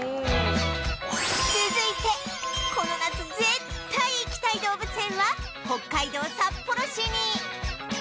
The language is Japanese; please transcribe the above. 続いてこの夏絶対行きたい動物園は北海道札幌市に！